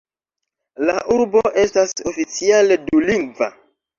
La urbo estas oficiale dulingva.